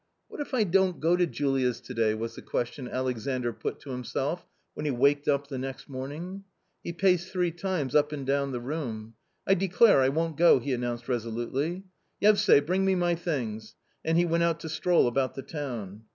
" What if I don't go to Julia's to day ?" was the question Alexandr put to himself when he waked up the next morn ing. He paced three times up and down the room. " I declare I won't go !" he announced resolutely. "Yevsay, bring me my things." And he went out to stroll about the town.